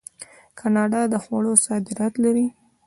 کاناډا د خوړو صادرات لري.